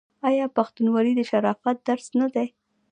آیا پښتونولي د شرافت درس نه دی؟